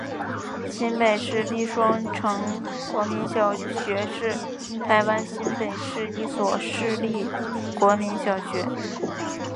新北市立双城国民小学是台湾新北市一所市立国民小学。